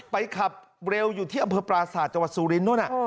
ไปขับเร็วอยู่ที่อำเภอปราศาสตร์จสุรินทร์